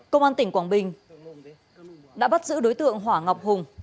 công an tỉnh quảng bình đã bắt giữ đối tượng hỏa ngọc hùng